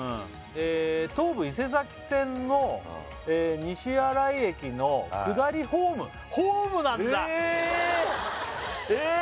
「東武伊勢崎線の西新井駅の下りホーム」ホームなんだ！ええーっ！ええーっ！